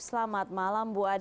selamat malam bu ade